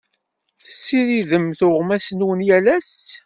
Tessiridem tuɣmas-nwen yal ass.